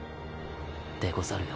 でござるよ。